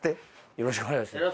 よろしくお願いします